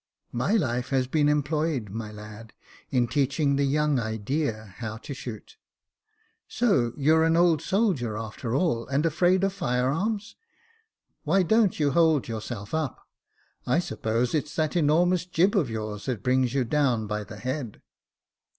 " My life has been employed, my lad, in teaching the young idea how to shoot." •* So, you're an old soldier, after all, and afraid of fire arms. Why don't you hold yourself up .'' I suppose it's that enormous jib of yours that brings you down by the head."